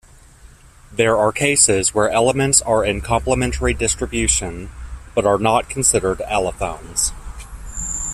There are cases where elements are in complementary distribution, but are not considered allophones.